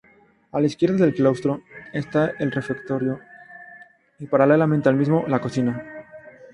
A la izquierda del claustro está el refectorio, y paralelamente al mismo, la cocina.